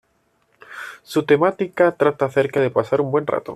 Su temática trata acerca de pasar un buen rato.